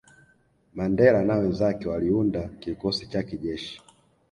Mandela na wenzake waliunda kikosi cha kijeshi